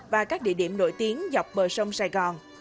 và các địa điểm nổi tiếng dọc bờ sông sài gòn